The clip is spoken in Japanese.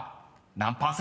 何％！